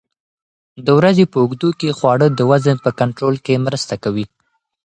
د ورځې په اوږدو کې خواړه د وزن په کنټرول کې مرسته کوي.